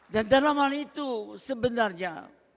dan dalam hal itu sebenarnya